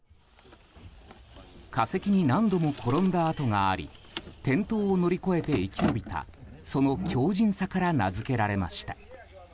化石に何度も転んだ跡があり転倒を乗り越えて生き延びた、その強靭さから名づけられました。